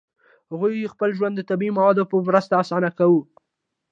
هغوی خپل ژوند د طبیعي موادو په مرسته اسانه کاوه.